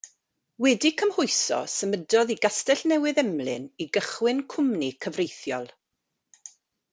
Wedi cymhwyso symudodd i Gastellnewydd Emlyn i gychwyn cwmni cyfreithiol.